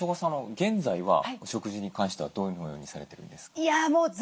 現在はお食事に関してはどのようにされてるんですか？